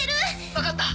分かった。